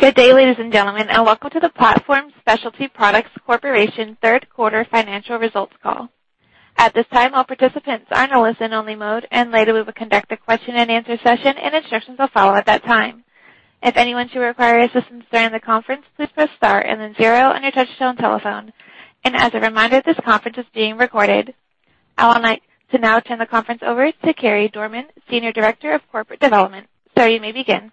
Good day, ladies and gentlemen. Welcome to the Platform Specialty Products Corporation third quarter financial results call. At this time, all participants are in a listen-only mode. Later we will conduct a question-and-answer session, and instructions will follow at that time. If anyone should require assistance during the conference, please press star and then zero on your touchtone telephone. As a reminder, this conference is being recorded. I would like to now turn the conference over to Carey Dorman, Senior Director of Corporate Development. Sir, you may begin.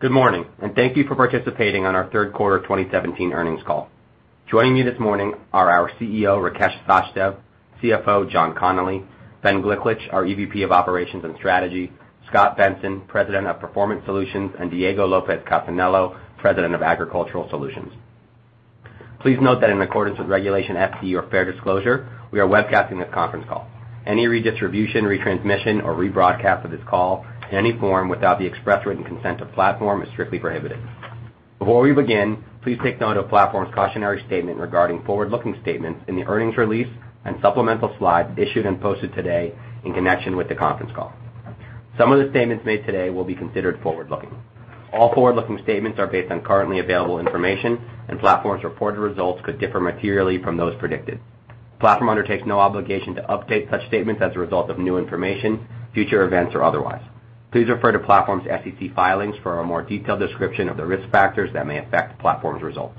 Good morning, thank you for participating on our third quarter 2017 earnings call. Joining me this morning are our CEO, Rakesh Sachdev, CFO, John Connolly, Ben Gliklich, our EVP of Operations and Strategy, Scot Benson, President of Performance Solutions, and Diego Lopez Casanello, President of Agricultural Solutions. Please note that in accordance with Regulation FD, or fair disclosure, we are webcasting this conference call. Any redistribution, retransmission, or rebroadcast of this call in any form without the express written consent of Platform is strictly prohibited. Before we begin, please take note of Platform's cautionary statement regarding forward-looking statements in the earnings release and supplemental slides issued and posted today in connection with the conference call. Some of the statements made today will be considered forward-looking. All forward-looking statements are based on currently available information. Platform's reported results could differ materially from those predicted. Platform undertakes no obligation to update such statements as a result of new information, future events, or otherwise. Please refer to Platform's SEC filings for a more detailed description of the risk factors that may affect Platform's results.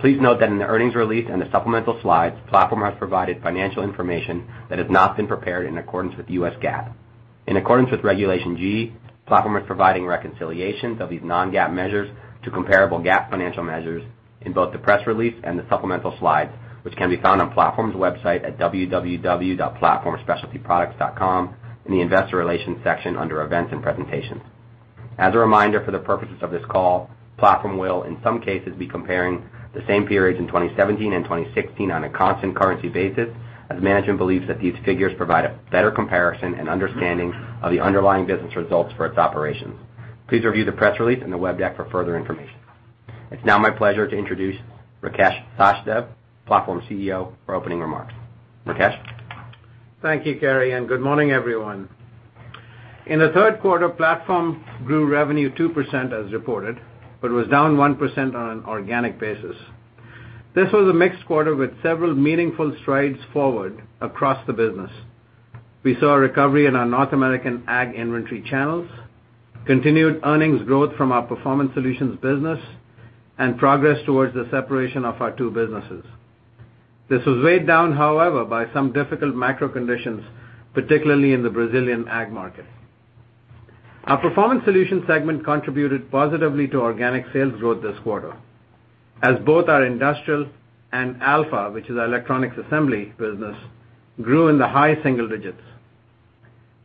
Please note that in the earnings release and the supplemental slides, Platform has provided financial information that has not been prepared in accordance with the US GAAP. In accordance with Regulation G, Platform is providing reconciliations of these non-GAAP measures to comparable GAAP financial measures in both the press release and the supplemental slides, which can be found on Platform's website at www.platformspecialtyproducts.com in the investor relations section under events and presentations. As a reminder, for the purposes of this call, Platform will in some cases be comparing the same periods in 2017 and 2016 on a constant currency basis, as management believes that these figures provide a better comparison and understanding of the underlying business results for its operations. Please review the press release and the web deck for further information. It's now my pleasure to introduce Rakesh Sachdev, Platform CEO, for opening remarks. Rakesh? Thank you, Carey, and good morning, everyone. In the third quarter, Platform grew revenue 2% as reported, but was down 1% on an organic basis. This was a mixed quarter with several meaningful strides forward across the business. We saw a recovery in our North American ag inventory channels, continued earnings growth from our Performance Solutions business, and progress towards the separation of our two businesses. This was weighed down, however, by some difficult macro conditions, particularly in the Brazilian ag market. Our Performance Solutions segment contributed positively to organic sales growth this quarter, as both our Industrial & Specialty and Alpha, which is our electronics assembly business, grew in the high single digits.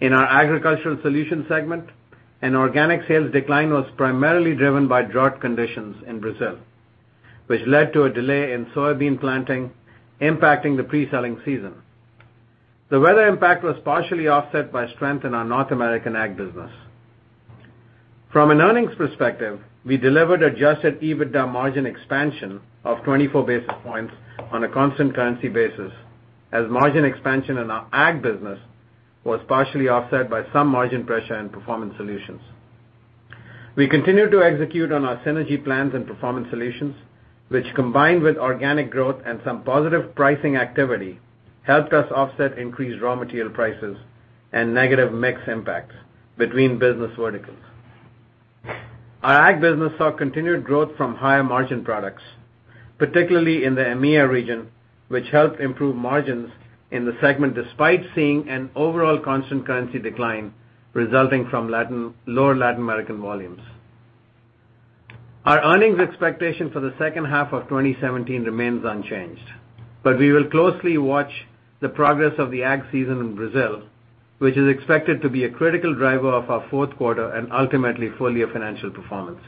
In our Agricultural Solutions segment, an organic sales decline was primarily driven by drought conditions in Brazil, which led to a delay in soybean planting, impacting the pre-selling season. The weather impact was partially offset by strength in our North American ag business. From an earnings perspective, we delivered adjusted EBITDA margin expansion of 24 basis points on a constant currency basis, as margin expansion in our ag business was partially offset by some margin pressure in Performance Solutions. We continue to execute on our synergy plans in Performance Solutions, which combined with organic growth and some positive pricing activity, helped us offset increased raw material prices and negative mix impacts between business verticals. Our ag business saw continued growth from higher margin products, particularly in the EMEA region, which helped improve margins in the segment, despite seeing an overall constant currency decline resulting from lower Latin American volumes. Our earnings expectation for the second half of 2017 remains unchanged. We will closely watch the progress of the ag season in Brazil, which is expected to be a critical driver of our fourth quarter and ultimately full year financial performance.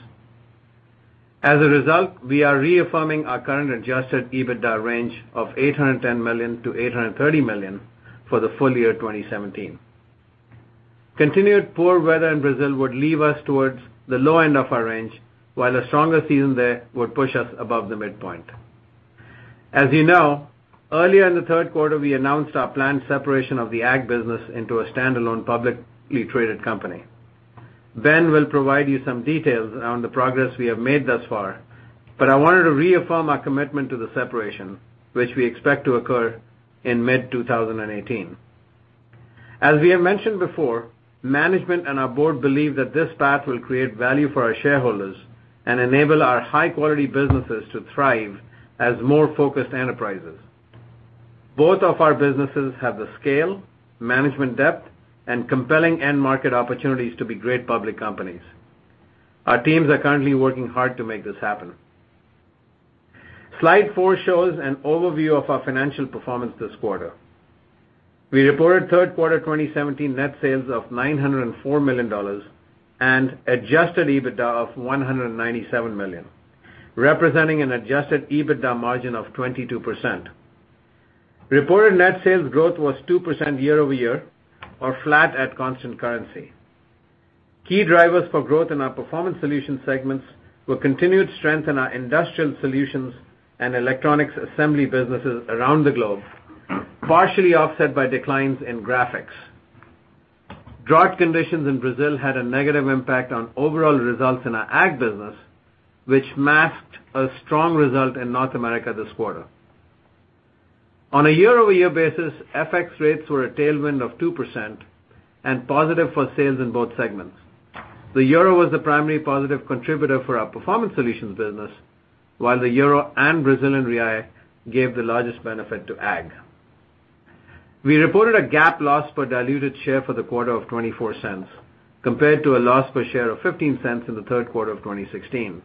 As a result, we are reaffirming our current adjusted EBITDA range of $810 million-$830 million for the full year 2017. Continued poor weather in Brazil would lead us towards the low end of our range, while a stronger season there would push us above the midpoint. As you know, earlier in the third quarter, we announced our planned separation of the ag business into a standalone publicly traded company. Ben will provide you some details on the progress we have made thus far, but I wanted to reaffirm our commitment to the separation, which we expect to occur in mid-2018. As we have mentioned before, management and our board believe that this path will create value for our shareholders and enable our high-quality businesses to thrive as more focused enterprises. Both of our businesses have the scale, management depth, and compelling end market opportunities to be great public companies. Our teams are currently working hard to make this happen. Slide four shows an overview of our financial performance this quarter. We reported third quarter 2017 net sales of $904 million and adjusted EBITDA of $197 million, representing an adjusted EBITDA margin of 22%. Reported net sales growth was 2% year-over-year, or flat at constant currency. Key drivers for growth in our Performance Solutions segments were continued strength in our Industrial & Specialty and electronics assembly businesses around the globe, partially offset by declines in graphics. Drought conditions in Brazil had a negative impact on overall results in our Ag business, which masked a strong result in North America this quarter. On a year-over-year basis, FX rates were a tailwind of 2% and positive for sales in both segments. The euro was the primary positive contributor for our Performance Solutions business, while the euro and Brazilian real gave the largest benefit to Ag. We reported a GAAP loss per diluted share for the quarter of $0.24, compared to a loss per share of $0.15 in the third quarter of 2016.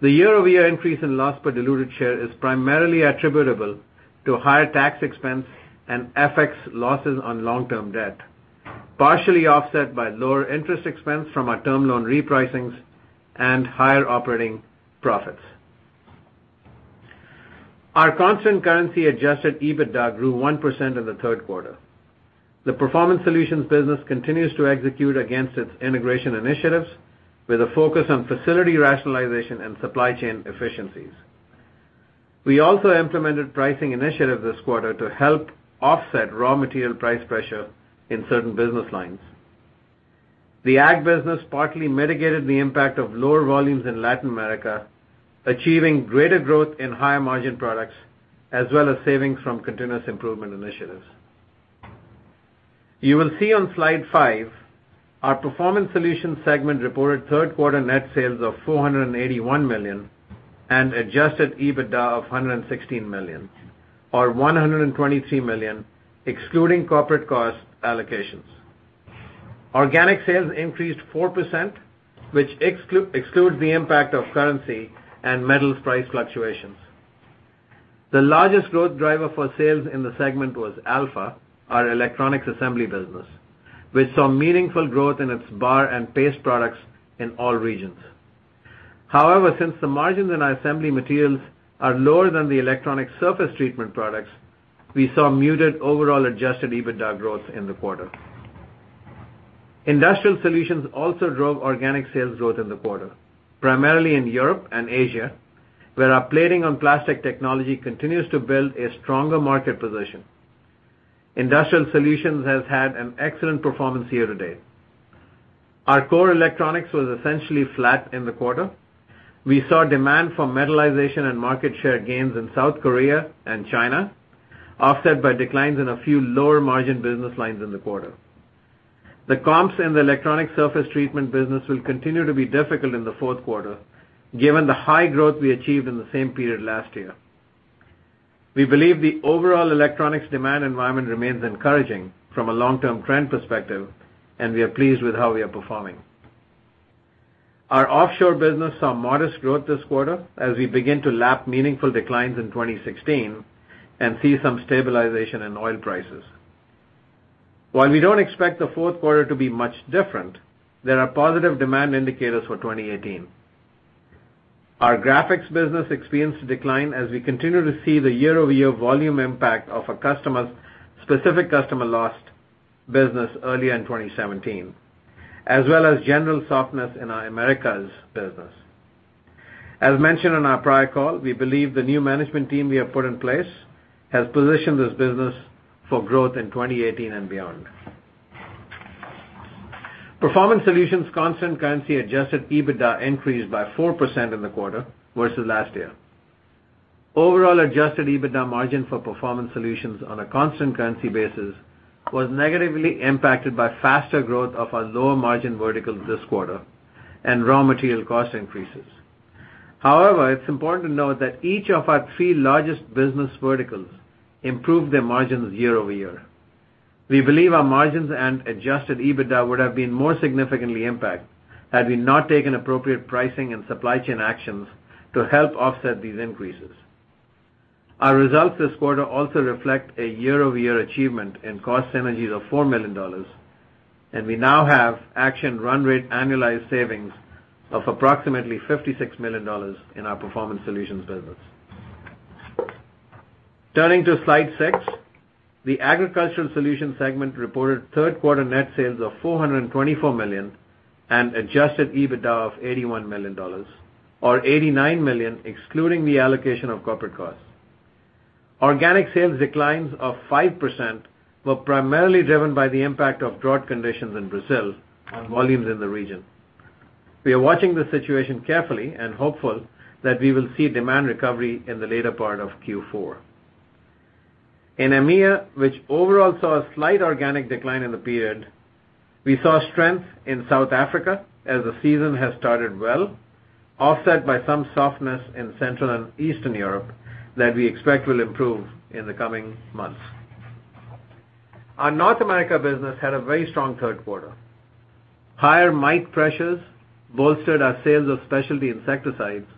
The year-over-year increase in loss per diluted share is primarily attributable to higher tax expense and FX losses on long-term debt, partially offset by lower interest expense from our term loan repricings and higher operating profits. Our constant currency adjusted EBITDA grew 1% in the third quarter. The Performance Solutions business continues to execute against its integration initiatives with a focus on facility rationalization and supply chain efficiencies. We also implemented pricing initiatives this quarter to help offset raw material price pressure in certain business lines. The Ag business partly mitigated the impact of lower volumes in Latin America, achieving greater growth in higher margin products, as well as savings from continuous improvement initiatives. You will see on Slide 5, our Performance Solutions segment reported third quarter net sales of $481 million and adjusted EBITDA of $116 million, or $123 million excluding corporate cost allocations. Organic sales increased 4%, which excludes the impact of currency and metals price fluctuations. The largest growth driver for sales in the segment was Alpha, our electronics assembly business, which saw meaningful growth in its bar and paste products in all regions. Since the margins in our assembly materials are lower than the electronic surface treatment products, we saw muted overall adjusted EBITDA growth in the quarter. Industrial Solutions also drove organic sales growth in the quarter, primarily in Europe and Asia, where our plating on plastic technology continues to build a stronger market position. Industrial Solutions has had an excellent performance year to date. Our core electronics was essentially flat in the quarter. We saw demand for metallization and market share gains in South Korea and China, offset by declines in a few lower-margin business lines in the quarter. The comps in the electronic surface treatment business will continue to be difficult in the fourth quarter given the high growth we achieved in the same period last year. We believe the overall electronics demand environment remains encouraging from a long-term trend perspective, we are pleased with how we are performing. Our offshore business saw modest growth this quarter as we begin to lap meaningful declines in 2016 and see some stabilization in oil prices. While we don't expect the fourth quarter to be much different, there are positive demand indicators for 2018. Our graphics business experienced a decline as we continue to see the year-over-year volume impact of a specific customer lost business earlier in 2017, as well as general softness in our Americas business. As mentioned on our prior call, we believe the new management team we have put in place has positioned this business for growth in 2018 and beyond. Performance Solutions constant currency adjusted EBITDA increased by 4% in the quarter versus last year. Overall adjusted EBITDA margin for Performance Solutions on a constant currency basis was negatively impacted by faster growth of our lower margin verticals this quarter and raw material cost increases. However, it's important to note that each of our three largest business verticals improved their margins year-over-year. We believe our margins and adjusted EBITDA would have been more significantly impact had we not taken appropriate pricing and supply chain actions to help offset these increases. Our results this quarter also reflect a year-over-year achievement in cost synergies of $4 million, and we now have action run rate annualized savings of approximately $56 million in our Performance Solutions business. Turning to Slide 6, the Agricultural Solutions segment reported third quarter net sales of $424 million and adjusted EBITDA of $81 million, or $89 million excluding the allocation of corporate costs. Organic sales declines of 5% were primarily driven by the impact of drought conditions in Brazil on volumes in the region. We are watching the situation carefully and hopeful that we will see demand recovery in the later part of Q4. In EMEA, which overall saw a slight organic decline in the period, we saw strength in South Africa as the season has started well, offset by some softness in Central and Eastern Europe that we expect will improve in the coming months. Our North America business had a very strong third quarter. Higher mite pressures bolstered our sales of specialty insecticides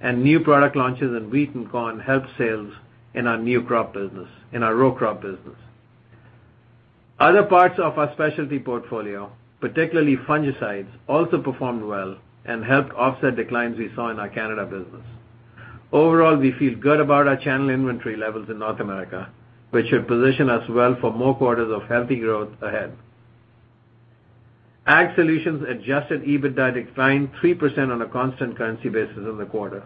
and new product launches in wheat and corn helped sales in our row crop business. Other parts of our specialty portfolio, particularly fungicides, also performed well and helped offset declines we saw in our Canada business. Overall, we feel good about our channel inventory levels in North America, which should position us well for more quarters of healthy growth ahead. Ag Solutions adjusted EBITDA declined 3% on a constant currency basis in the quarter.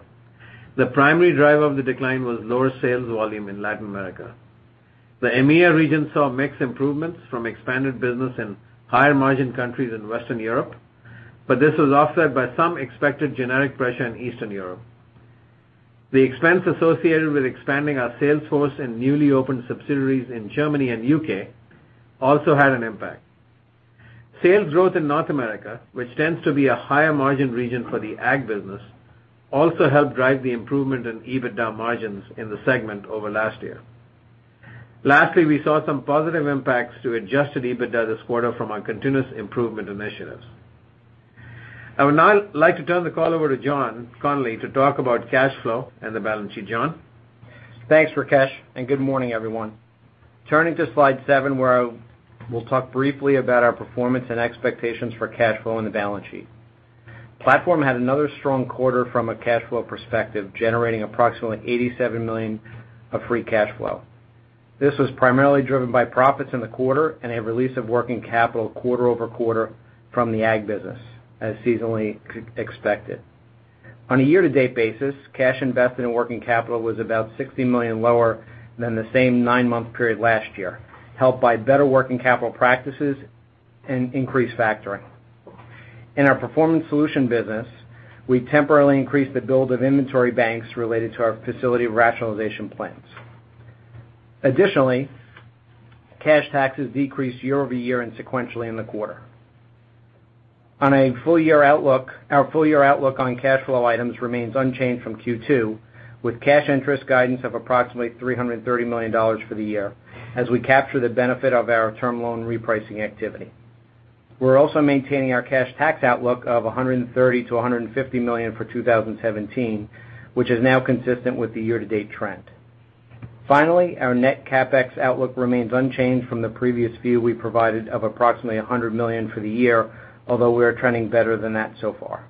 The primary driver of the decline was lower sales volume in Latin America. The EMEA region saw mixed improvements from expanded business in higher margin countries in Western Europe, but this was offset by some expected generic pressure in Eastern Europe. The expense associated with expanding our sales force in newly opened subsidiaries in Germany and U.K. also had an impact. Sales growth in North America, which tends to be a higher margin region for the Ag business, also helped drive the improvement in EBITDA margins in the segment over last year. Lastly, we saw some positive impacts to adjusted EBITDA this quarter from our continuous improvement initiatives. I would now like to turn the call over to John Connolly to talk about cash flow and the balance sheet. John? Thanks, Rakesh Sachdev, and good morning, everyone. Turning to slide seven, where I will talk briefly about our performance and expectations for cash flow in the balance sheet. Platform had another strong quarter from a cash flow perspective, generating approximately $87 million of free cash flow. This was primarily driven by profits in the quarter and a release of working capital quarter-over-quarter from the Ag business, as seasonally expected. On a year-to-date basis, cash invested in working capital was about $60 million lower than the same nine-month period last year, helped by better working capital practices and increased factoring. In our Performance Solutions business, we temporarily increased the build of inventory banks related to our facility rationalization plans. Additionally, cash taxes decreased year-over-year and sequentially in the quarter. On a full-year outlook, our full-year outlook on cash flow items remains unchanged from Q2, with cash interest guidance of approximately $330 million for the year, as we capture the benefit of our term loan repricing activity. We are also maintaining our cash tax outlook of $130 million-$150 million for 2017, which is now consistent with the year-to-date trend. Finally, our net CapEx outlook remains unchanged from the previous view we provided of approximately $100 million for the year, although we are trending better than that so far.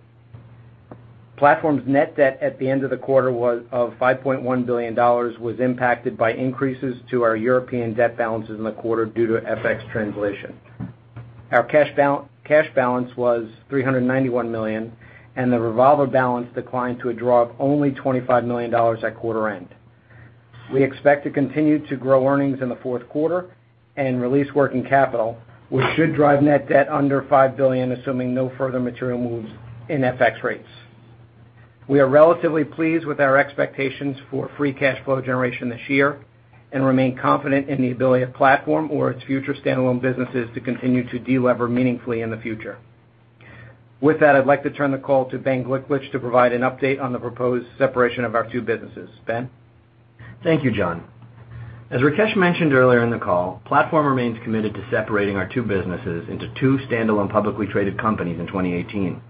Platform's net debt at the end of the quarter of $5.1 billion was impacted by increases to our European debt balances in the quarter due to FX translation. Our cash balance was $391 million, and the revolver balance declined to a draw of only $25 million at quarter end. We expect to continue to grow earnings in the fourth quarter and release working capital, which should drive net debt under $5 billion, assuming no further material moves in FX rates. We are relatively pleased with our expectations for free cash flow generation this year and remain confident in the ability of Platform or its future standalone businesses to continue to de-lever meaningfully in the future. With that, I would like to turn the call to Ben Gliklich to provide an update on the proposed separation of our two businesses. Ben? Thank you, John Connolly. As Rakesh Sachdev mentioned earlier in the call, Platform remains committed to separating our two businesses into two standalone publicly traded companies in 2018.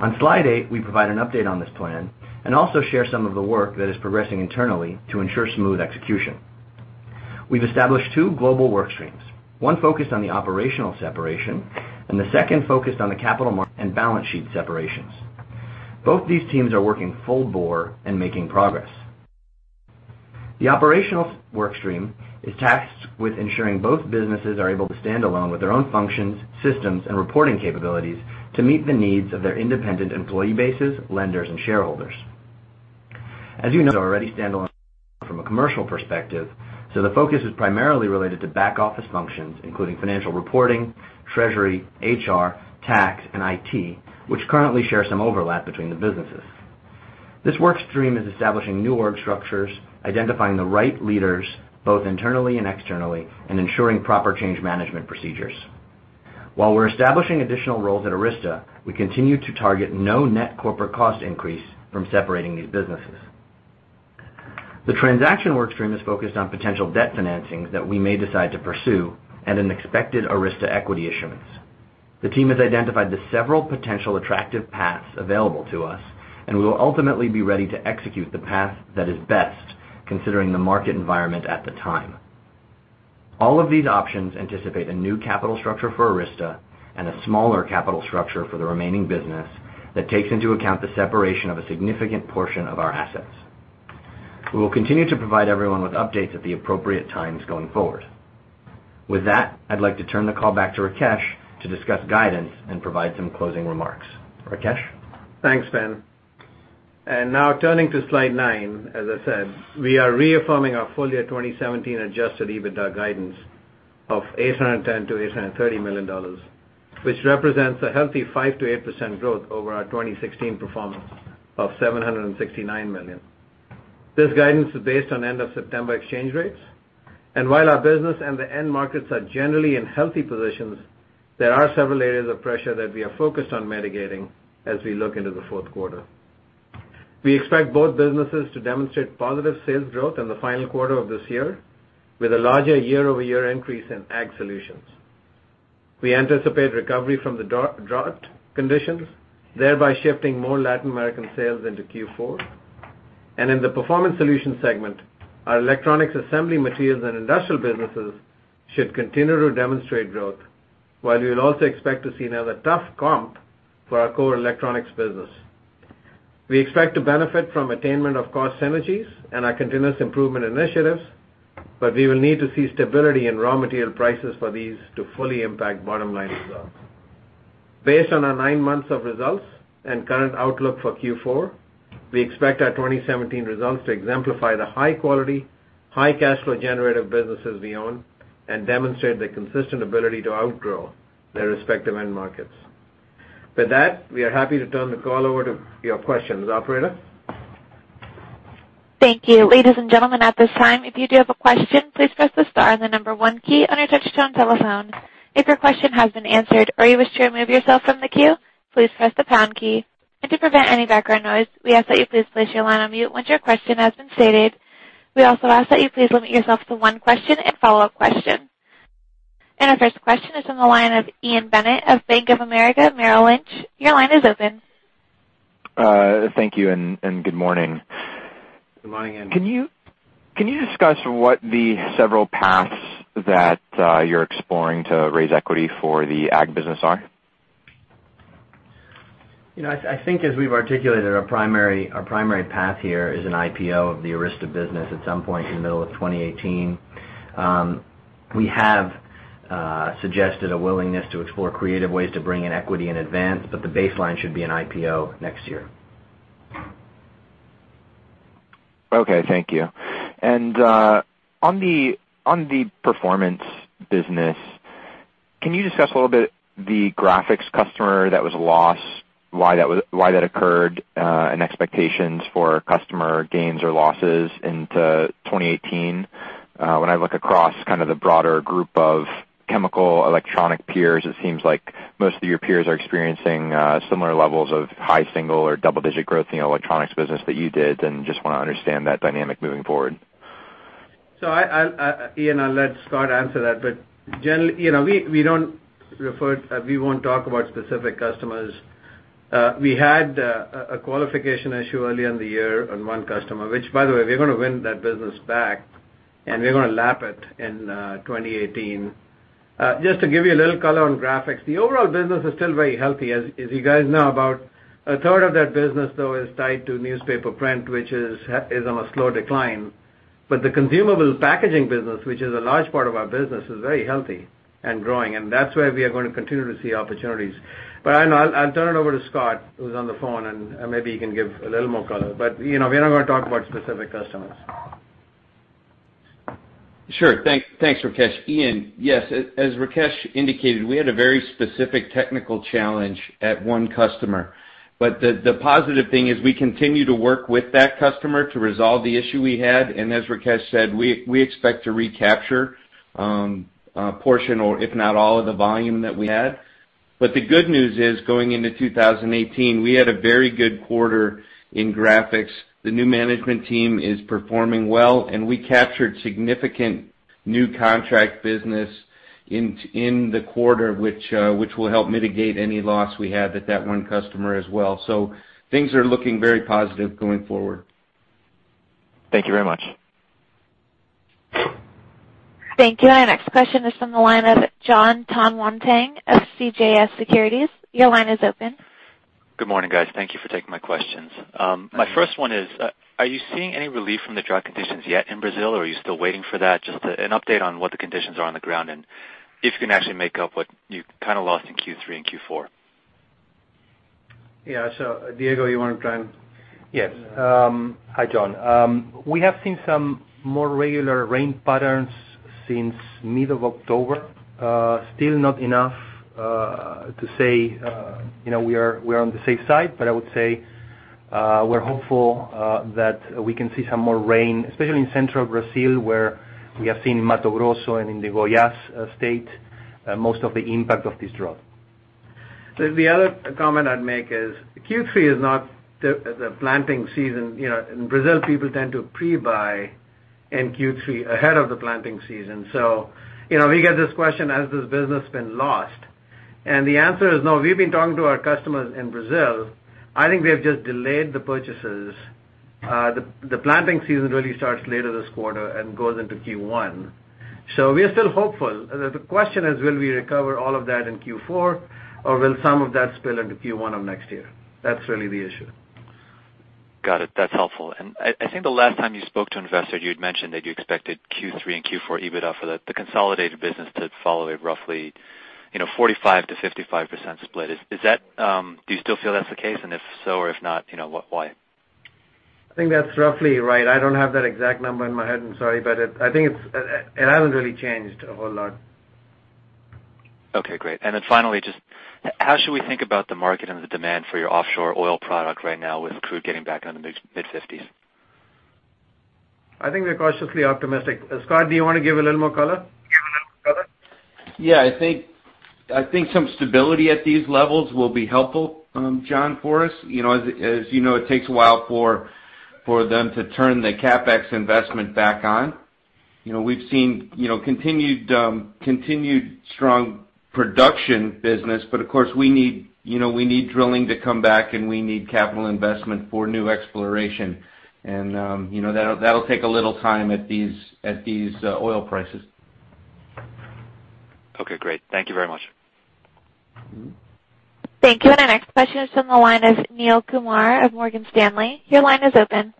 On slide eight, we provide an update on this plan and also share some of the work that is progressing internally to ensure smooth execution. We have established two global work streams, one focused on the operational separation and the second focused on the capital market and balance sheet separations. Both these teams are working full bore and making progress. The operational work stream is tasked with ensuring both businesses are able to stand alone with their own functions, systems, and reporting capabilities to meet the needs of their independent employee bases, lenders, and shareholders. As you know, they're already standalone from a commercial perspective, so the focus is primarily related to back-office functions, including financial reporting, treasury, HR, tax, and IT, which currently share some overlap between the businesses. This work stream is establishing new org structures, identifying the right leaders, both internally and externally, and ensuring proper change management procedures. While we're establishing additional roles at Arysta, we continue to target no net corporate cost increase from separating these businesses. The transaction work stream is focused on potential debt financings that we may decide to pursue and in expected Arysta equity issuance. The team has identified the several potential attractive paths available to us, and we will ultimately be ready to execute the path that is best considering the market environment at the time. All of these options anticipate a new capital structure for Arysta and a smaller capital structure for the remaining business that takes into account the separation of a significant portion of our assets. We will continue to provide everyone with updates at the appropriate times going forward. With that, I'd like to turn the call back to Rakesh to discuss guidance and provide some closing remarks. Rakesh? Thanks, Ben. Now turning to slide nine, as I said, we are reaffirming our full year 2017 adjusted EBITDA guidance of $810 million-$830 million, which represents a healthy 5%-8% growth over our 2016 performance of $769 million. This guidance is based on end of September exchange rates, and while our business and the end markets are generally in healthy positions, there are several areas of pressure that we are focused on mitigating as we look into the fourth quarter. We expect both businesses to demonstrate positive sales growth in the final quarter of this year with a larger year-over-year increase in Agricultural Solutions. We anticipate recovery from the drought conditions, thereby shifting more Latin American sales into Q4. In the Performance Solutions segment, our electronics assembly materials and industrial businesses should continue to demonstrate growth. While we would also expect to see another tough comp for our core electronics business. We expect to benefit from attainment of cost synergies and our continuous improvement initiatives, but we will need to see stability in raw material prices for these to fully impact bottom line results. Based on our nine months of results and current outlook for Q4, we expect our 2017 results to exemplify the high quality, high cash flow generative businesses we own and demonstrate the consistent ability to outgrow their respective end markets. With that, we are happy to turn the call over to your questions. Operator? Thank you. Ladies and gentlemen, at this time, if you do have a question, please press the star and the number one key on your touchtone telephone. If your question has been answered or you wish to remove yourself from the queue, please press the pound key. To prevent any background noise, we ask that you please place your line on mute once your question has been stated. We also ask that you please limit yourself to one question and follow-up question. Our first question is on the line of Ian Bennett of Bank of America Merrill Lynch. Your line is open. Thank you. Good morning. Good morning, Ian. Can you discuss what the several paths that you're exploring to raise equity for the Ag business are? I think as we've articulated, our primary path here is an IPO of the Arysta business at some point in the middle of 2018. We have suggested a willingness to explore creative ways to bring in equity in advance, the baseline should be an IPO next year. Okay, thank you. On the Performance business, can you discuss a little bit the graphics customer that was lost, why that occurred, and expectations for customer gains or losses into 2018? When I look across kind of the broader group of chemical electronic peers, it seems like most of your peers are experiencing similar levels of high single or double-digit growth in the electronics business that you did, just want to understand that dynamic moving forward. Ian, I'll let Scot answer that. Generally, we won't talk about specific customers. We had a qualification issue early in the year on one customer, which, by the way, we're going to win that business back, we're going to lap it in 2018. Just to give you a little color on graphics, the overall business is still very healthy. As you guys know, about a third of that business, though, is tied to newspaper print, which is on a slow decline. The consumable packaging business, which is a large part of our business, is very healthy and growing, that's where we are going to continue to see opportunities. I'll turn it over to Scot, who's on the phone, maybe he can give a little more color. We're not going to talk about specific customers. Sure. Thanks, Rakesh. Ian, yes, as Rakesh indicated, we had a very specific technical challenge at one customer. The positive thing is we continue to work with that customer to resolve the issue we had, as Rakesh said, we expect to recapture a portion, or if not all of the volume that we had. The good news is, going into 2018, we had a very good quarter in graphics. The new management team is performing well, we captured significant new contract business in the quarter, which will help mitigate any loss we had at that one customer as well. Things are looking very positive going forward. Thank you very much. Thank you. Our next question is from the line of Jonathan Tanwanteng of CJS Securities. Your line is open. Good morning, guys. Thank you for taking my questions. My first one is, are you seeing any relief from the drought conditions yet in Brazil, or are you still waiting for that? Just an update on what the conditions are on the ground, and if you can actually make up what you kind of lost in Q3 and Q4. Yeah. Diego, you want to try? Yes. Hi, John. We have seen some more regular rain patterns since mid of October. Still not enough to say we are on the safe side, but I would say we're hopeful that we can see some more rain, especially in central Brazil, where we have seen in Mato Grosso and in the Goiás state most of the impact of this drought. The other comment I'd make is Q3 is not the planting season. In Brazil, people tend to pre-buy in Q3 ahead of the planting season. We get this question, has this business been lost? The answer is no. We've been talking to our customers in Brazil. I think they have just delayed the purchases. The planting season really starts later this quarter and goes into Q1. We are still hopeful. The question is, will we recover all of that in Q4, or will some of that spill into Q1 of next year? That's really the issue. Got it. That's helpful. I think the last time you spoke to investors, you had mentioned that you expected Q3 and Q4 EBITDA for the consolidated business to follow a roughly 45%-55% split. Do you still feel that's the case? If so or if not, why? I think that's roughly right. I don't have that exact number in my head. I'm sorry. I think it hasn't really changed a whole lot. Okay, great. Then finally, just how should we think about the market and the demand for your offshore oil product right now with crude getting back into the mid-50s? I think we're cautiously optimistic. Scot, do you want to give a little more color? I think some stability at these levels will be helpful, John, for us. As you know, it takes a while for them to turn the CapEx investment back on. We've seen continued strong production business, but of course, we need drilling to come back, and we need capital investment for new exploration. That'll take a little time at these oil prices. Okay, great. Thank you very much. Thank you. Our next question is from the line of Neel Kumar of Morgan Stanley. Your line is open.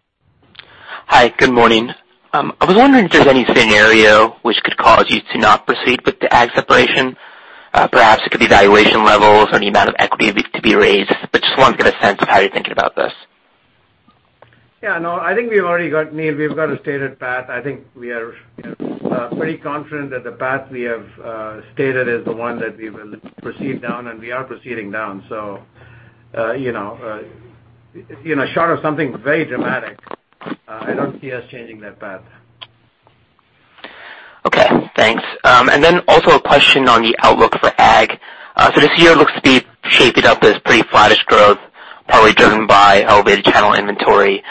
Hi. Good morning. I was wondering if there's any scenario which could cause you to not proceed with the ag separation. Perhaps it could be valuation levels or the amount of equity to be raised, just wanted to get a sense of how you're thinking about this. Yeah, no, I think we've already got, Neel, we've got a stated path. I think we are pretty confident that the path we have stated is the one that we will proceed down, we are proceeding down. Short of something very dramatic, I don't see us changing that path. Okay, thanks. Also a question on the outlook for ag. This year looks to be shaping up as pretty flattish growth, probably driven by elevated channel inventory,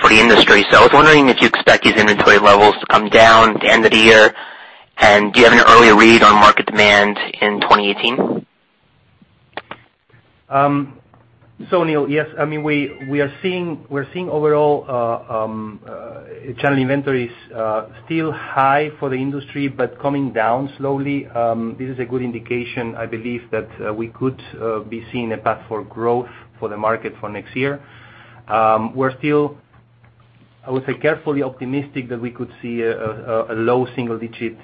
for the industry. I was wondering if you expect these inventory levels to come down at the end of the year, do you have an early read on market demand in 2018? Neel, yes. We're seeing overall, channel inventories still high for the industry, but coming down slowly. This is a good indication, I believe, that we could be seeing a path for growth for the market for next year. We're still, I would say, carefully optimistic that we could see a low single-digit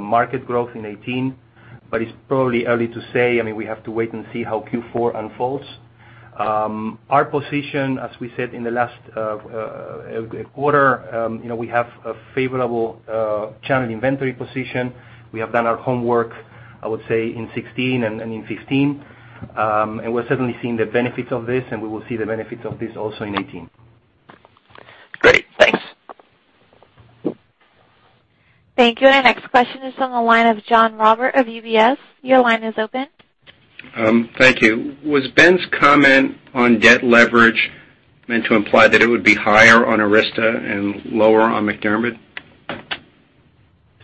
market growth in 2018, but it's probably early to say. We have to wait and see how Q4 unfolds. Our position, as we said in the last quarter, we have a favorable channel inventory position. We have done our homework, I would say, in 2016 and in 2015. We're certainly seeing the benefits of this, and we will see the benefits of this also in 2018. Great, thanks. Thank you. Our next question is on the line of John Roberts of UBS. Your line is open. Thank you. Was Ben's comment on debt leverage meant to imply that it would be higher on Arysta and lower on MacDermid?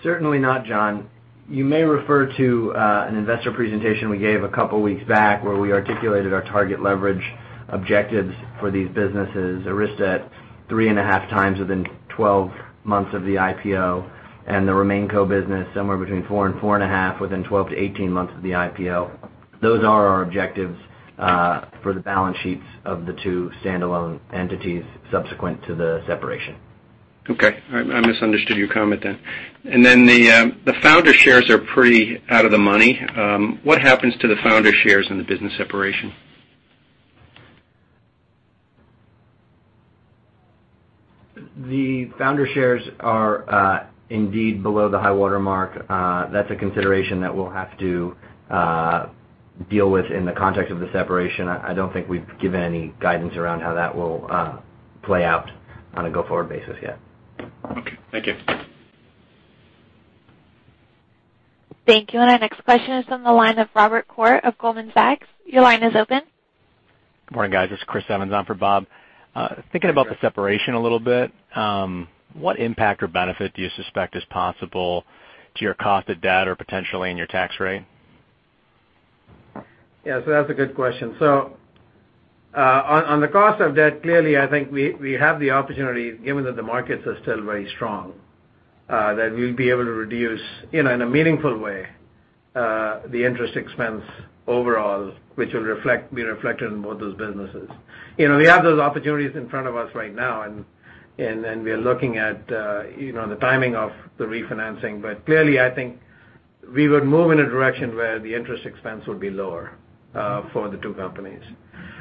Certainly not, John. You may refer to an investor presentation we gave a couple of weeks back where we articulated our target leverage objectives for these businesses, Arysta at three and a half times within 12 months of the IPO, and the RemainCo business somewhere between four and four and a half within 12 to 18 months of the IPO. Those are our objectives for the balance sheets of the two standalone entities subsequent to the separation. Okay. I misunderstood your comment then. The founder shares are pretty out of the money. What happens to the founder shares in the business separation? The founder shares are indeed below the high water mark. That's a consideration that we'll have to deal with in the context of the separation. I don't think we've given any guidance around how that will play out on a go-forward basis yet. Okay, thank you. Thank you. Our next question is on the line of Robert Koort of Goldman Sachs. Your line is open. Good morning, guys. It's Chris Evans on for Bob. Hi, Chris. Thinking about the separation a little bit, what impact or benefit do you suspect is possible to your cost of debt or potentially in your tax rate? That's a good question. On the cost of debt, clearly, I think we have the opportunity, given that the markets are still very strong, that we'll be able to reduce in a meaningful way the interest expense overall, which will be reflected in both those businesses. We have those opportunities in front of us right now, and we are looking at the timing of the refinancing. Clearly, I think we would move in a direction where the interest expense would be lower for the two companies.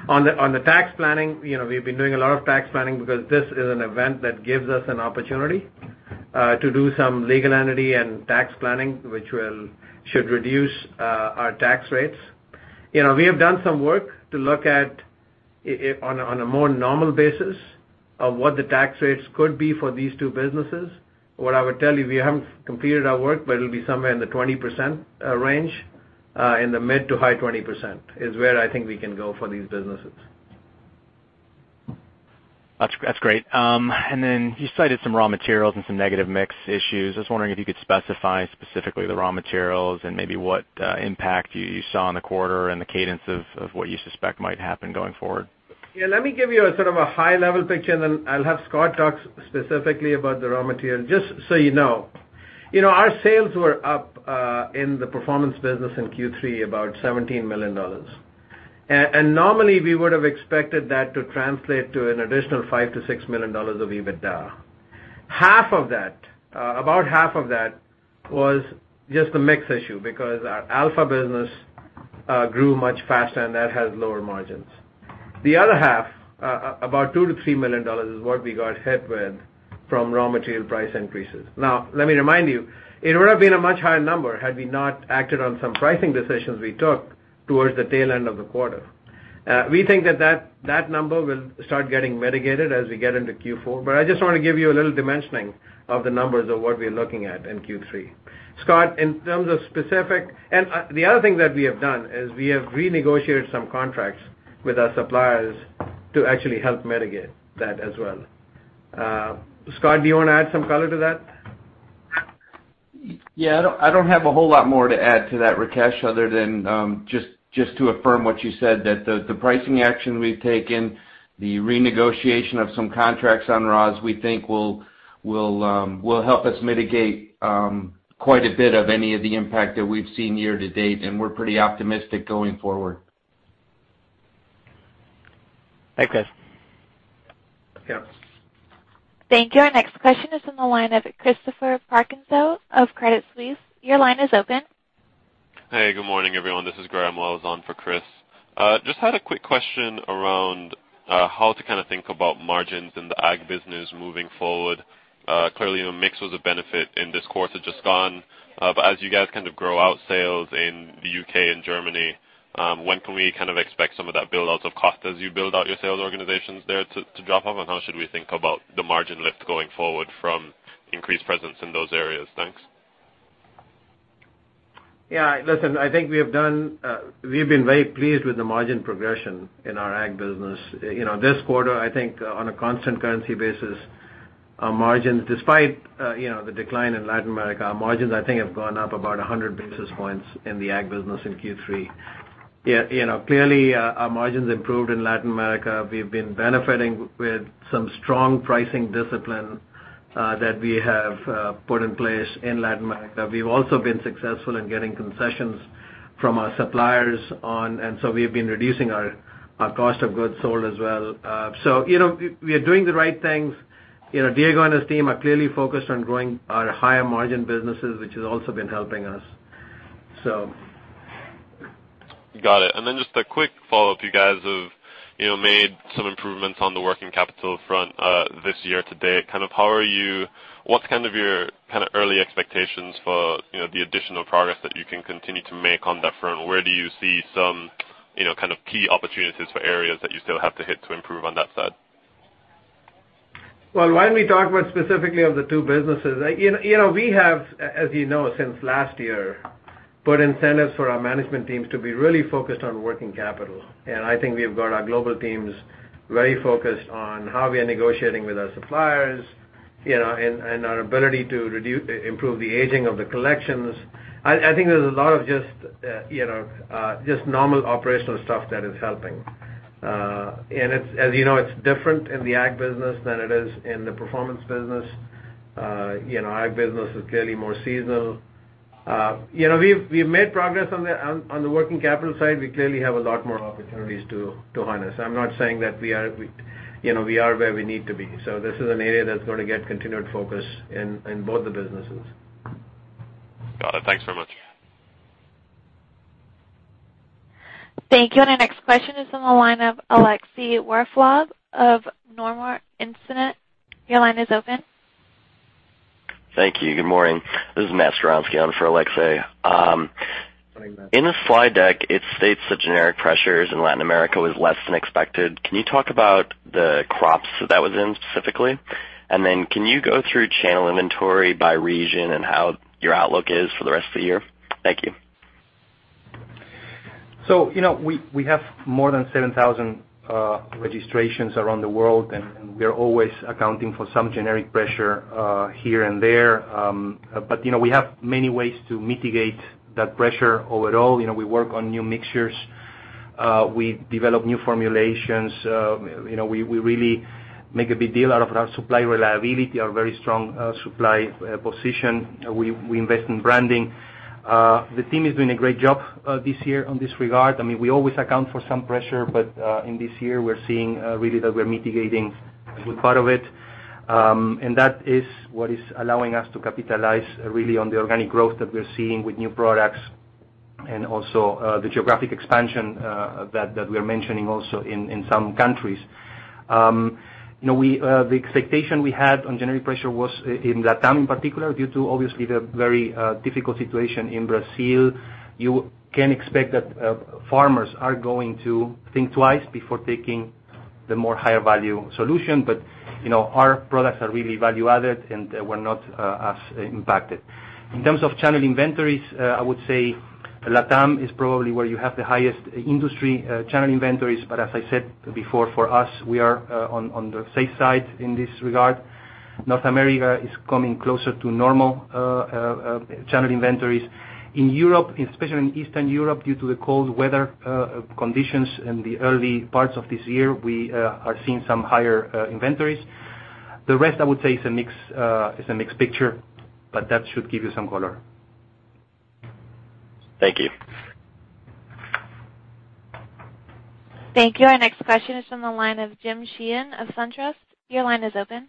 On the tax planning, we've been doing a lot of tax planning because this is an event that gives us an opportunity to do some legal entity and tax planning, which should reduce our tax rates. We have done some work to look at, on a more normal basis, of what the tax rates could be for these two businesses. What I would tell you, we haven't completed our work, it'll be somewhere in the 20% range, in the mid to high 20%, is where I think we can go for these businesses. That's great. You cited some raw materials and some negative mix issues. I was wondering if you could specify specifically the raw materials and maybe what impact you saw in the quarter and the cadence of what you suspect might happen going forward. Let me give you a sort of a high-level picture, then I'll have Scot talk specifically about the raw material. Just so you know, our sales were up in the Performance Solutions business in Q3 about $17 million. Normally, we would have expected that to translate to an additional $5 million-$6 million of EBITDA. About half of that was just a mix issue because our Alpha business grew much faster, and that has lower margins. The other half, about $2 million-$3 million, is what we got hit with from raw material price increases. Let me remind you, it would have been a much higher number had we not acted on some pricing decisions we took towards the tail end of the quarter. We think that that number will start getting mitigated as we get into Q4, but I just want to give you a little dimensioning of the numbers of what we're looking at in Q3. Scot, in terms of specific-- and the other thing that we have done is we have renegotiated some contracts with our suppliers to actually help mitigate that as well. Scot, do you want to add some color to that? Yeah, I don't have a whole lot more to add to that, Rakesh, other than just to affirm what you said, that the pricing action we've taken The renegotiation of some contracts on raws, we think will help us mitigate quite a bit of any of the impact that we've seen year to date, and we're pretty optimistic going forward. Thanks. Yeah. Thank you. Our next question is on the line of Christopher Parkinson of Credit Suisse. Your line is open. Hey, good morning, everyone. This is Graham Wells on for Chris. Just had a quick question around how to kind of think about margins in the ag business moving forward. Clearly, the mix was a benefit in this quarter just gone. As you guys kind of grow out sales in the U.K. and Germany, when can we kind of expect some of that build out of cost as you build out your sales organizations there to drop off? How should we think about the margin lift going forward from increased presence in those areas? Thanks. Listen, I think we've been very pleased with the margin progression in our ag business. This quarter, I think on a constant currency basis, our margins, despite the decline in Latin America, our margins, I think, have gone up about 100 basis points in the ag business in Q3. Clearly, our margins improved in Latin America. We've been benefiting with some strong pricing discipline that we have put in place in Latin America. We've also been successful in getting concessions from our suppliers on, we've been reducing our cost of goods sold as well. We are doing the right things. Diego and his team are clearly focused on growing our higher margin businesses, which has also been helping us. Got it. Just a quick follow-up. You guys have made some improvements on the working capital front this year to date. What's kind of your early expectations for the additional progress that you can continue to make on that front? Where do you see some kind of key opportunities for areas that you still have to hit to improve on that side? Why don't we talk about specifically of the two businesses. We have, as you know, since last year, put incentives for our management teams to be really focused on working capital. I think we've got our global teams very focused on how we are negotiating with our suppliers, and our ability to improve the aging of the collections. I think there's a lot of just normal operational stuff that is helping. As you know, it's different in the ag business than it is in the performance business. Ag business is clearly more seasonal. We've made progress on the working capital side. We clearly have a lot more opportunities to harness. I'm not saying that we are where we need to be. This is an area that's going to get continued focus in both the businesses. Got it. Thanks very much. Our next question is on the line of Aleksey Yefremov of Nomura Instinet. Your line is open. Thank you. Good morning. This is Chris Moore on for Aleksey. Morning, Matt. In the slide deck, it states the generic pressures in Latin America was less than expected. Can you talk about the crops that was in specifically? Can you go through channel inventory by region and how your outlook is for the rest of the year? Thank you. We have more than 7,000 registrations around the world, and we are always accounting for some generic pressure here and there. We have many ways to mitigate that pressure overall. We work on new mixtures. We develop new formulations. We really make a big deal out of our supply reliability, our very strong supply position. We invest in branding. The team is doing a great job this year on this regard. I mean, we always account for some pressure, but in this year, we're seeing really that we're mitigating a good part of it. That is what is allowing us to capitalize really on the organic growth that we're seeing with new products and also the geographic expansion that we are mentioning also in some countries. The expectation we had on generic pressure was in LatAm in particular, due to obviously the very difficult situation in Brazil. You can expect that farmers are going to think twice before taking the more higher value solution, but our products are really value added, and were not as impacted. In terms of channel inventories, I would say LatAm is probably where you have the highest industry channel inventories. As I said before, for us, we are on the safe side in this regard. North America is coming closer to normal channel inventories. In Europe, especially in Eastern Europe, due to the cold weather conditions in the early parts of this year, we are seeing some higher inventories. The rest, I would say, is a mixed picture, but that should give you some color. Thank you. Thank you. Our next question is from the line of James Sheehan of SunTrust. Your line is open.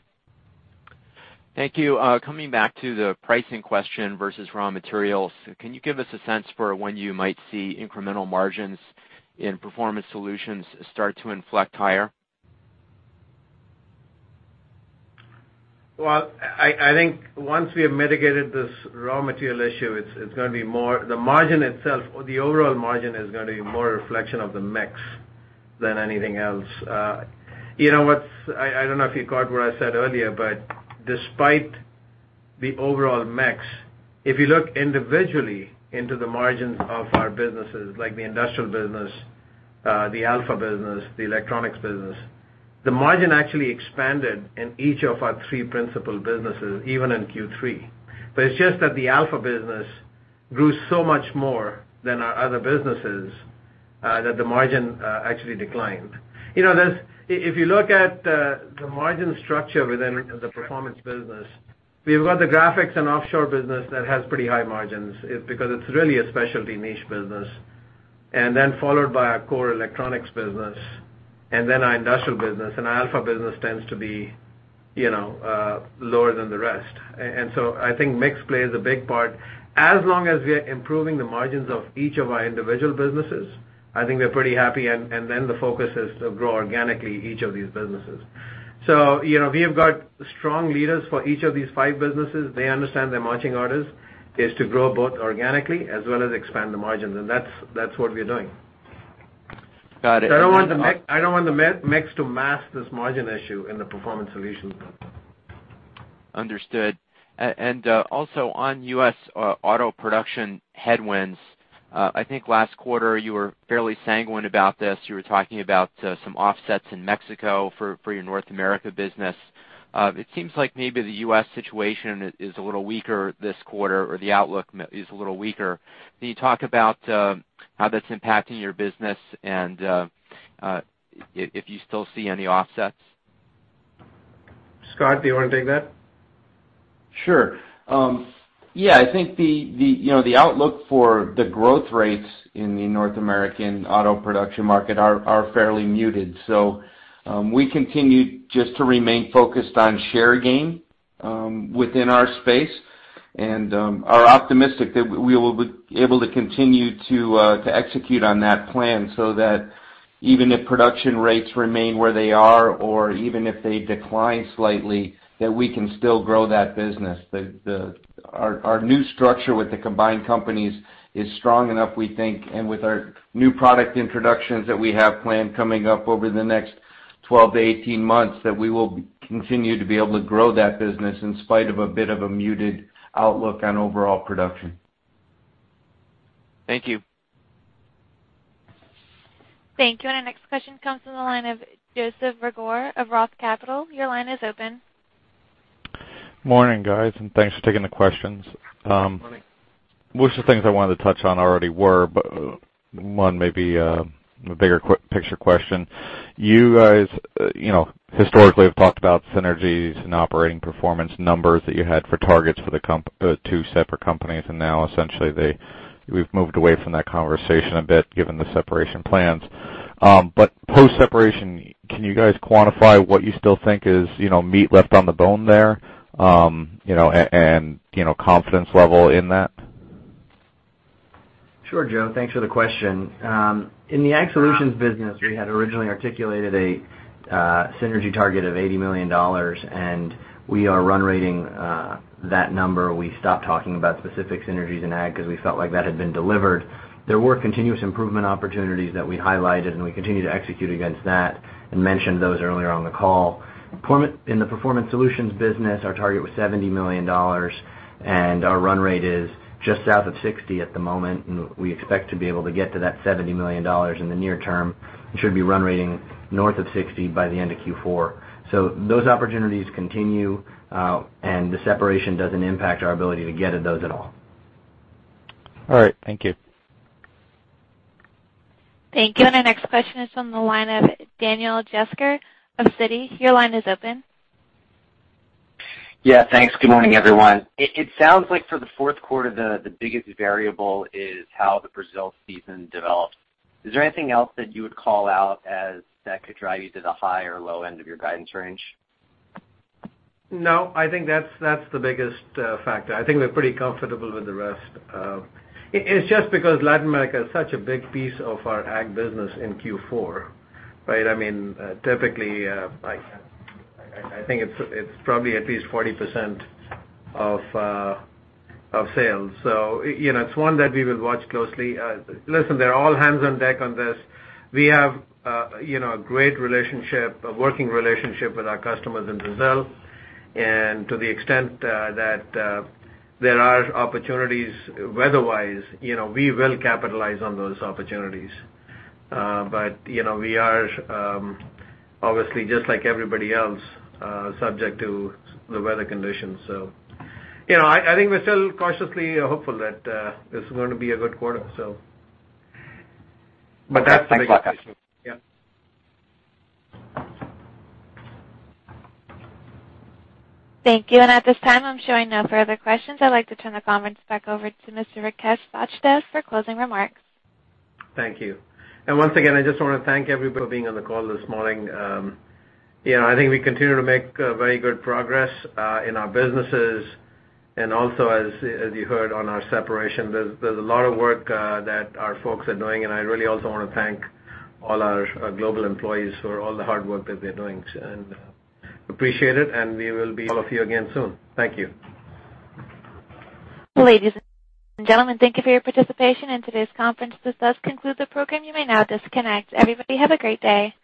Thank you. Coming back to the pricing question versus raw materials, can you give us a sense for when you might see incremental margins in Performance Solutions start to inflect higher? Well, I think once we have mitigated this raw material issue, the overall margin is going to be more a reflection of the mix than anything else. I don't know if you caught what I said earlier, despite the overall mix, if you look individually into the margins of our businesses, like the Industrial business, the Alpha business, the electronics business, the margin actually expanded in each of our three principal businesses, even in Q3. It's just that the Alpha business grew so much more than our other businesses that the margin actually declined. If you look at the margin structure within the Performance business, we've got the graphics and offshore business that has pretty high margins, because it's really a specialty niche business, followed by our core electronics business, then our Industrial business, and our Alpha business tends to be lower than the rest. I think mix plays a big part. As long as we are improving the margins of each of our individual businesses, I think we're pretty happy, the focus is to grow organically each of these businesses. We have got strong leaders for each of these five businesses. They understand their marching orders, is to grow both organically as well as expand the margins, that's what we're doing. Got it. I don't want the mix to mask this margin issue in the Performance Solutions business. Understood. Also on U.S. auto production headwinds, I think last quarter you were fairly sanguine about this. You were talking about some offsets in Mexico for your North America business. It seems like maybe the U.S. situation is a little weaker this quarter, or the outlook is a little weaker. Can you talk about how that's impacting your business and if you still see any offsets? Scot, do you want to take that? Sure. Yeah, I think the outlook for the growth rates in the North American auto production market are fairly muted. We continue just to remain focused on share gain within our space and are optimistic that we will be able to continue to execute on that plan, so that even if production rates remain where they are or even if they decline slightly, that we can still grow that business. Our new structure with the combined companies is strong enough, we think, and with our new product introductions that we have planned coming up over the next 12-18 months, that we will continue to be able to grow that business in spite of a bit of a muted outlook on overall production. Thank you. Thank you. Our next question comes from the line of Joseph Reagor of Roth Capital. Your line is open. Morning, guys, and thanks for taking the questions. Morning. Most of the things I wanted to touch on already were, but one may be a bigger picture question. You guys historically have talked about synergies and operating performance numbers that you had for targets for the two separate companies. Now essentially we've moved away from that conversation a bit given the separation plans. Post-separation, can you guys quantify what you still think is meat left on the bone there, and confidence level in that? Sure, Joe. Thanks for the question. In the Agricultural Solutions business, we had originally articulated a synergy target of $80 million. We are run rating that number. We stopped talking about specific synergies in Ag because we felt like that had been delivered. There were continuous improvement opportunities that we highlighted. We continue to execute against that and mentioned those earlier on the call. In the Performance Solutions business, our target was $70 million. Our run rate is just south of $60 at the moment. We expect to be able to get to that $70 million in the near term. It should be run rating north of $60 by the end of Q4. Those opportunities continue. The separation doesn't impact our ability to get at those at all. All right. Thank you. Thank you. Our next question is from the line of Daniel Jester of Citi. Your line is open. Yeah, thanks. Good morning, everyone. It sounds like for the fourth quarter, the biggest variable is how the Brazil season develops. Is there anything else that you would call out as that could drive you to the high or low end of your guidance range? I think that's the biggest factor. I think we're pretty comfortable with the rest. It's just because Latin America is such a big piece of our Ag business in Q4, right? Typically, I think it's probably at least 40% of sales. It's one that we will watch closely. Listen, they're all hands on deck on this. We have a great working relationship with our customers in Brazil, and to the extent that there are opportunities weather-wise, we will capitalize on those opportunities. We are obviously just like everybody else, subject to the weather conditions. I think we're still cautiously hopeful that this is going to be a good quarter. That's the big issue. Thanks a lot, Rakesh. Yeah. Thank you. At this time, I'm showing no further questions. I'd like to turn the conference back over to Mr. Rakesh Sachdev for closing remarks. Thank you. Once again, I just want to thank everybody for being on the call this morning. I think I continue to make very good progress in our businesses, and also as you heard on our separation, there's a lot of work that our folks are doing, and I really also want to thank all our global employees for all the hard work that they're doing, and appreciate it, and we will be with all of you again soon. Thank you. Ladies and gentlemen, thank you for your participation in today's conference. This does conclude the program. You may now disconnect. Everybody, have a great day.